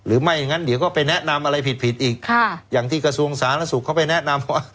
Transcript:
อย่างนั้นเดี๋ยวก็ไปแนะนำอะไรผิดผิดอีกค่ะอย่างที่กระทรวงสาธารณสุขเขาไปแนะนำว่า